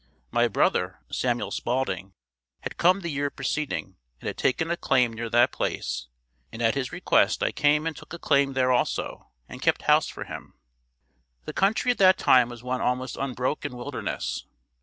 My brother, Samuel Spalding had come the year preceding and had taken a claim near that place and at his request I came and took a claim there also and kept house for him. The country at that time was one almost unbroken wilderness.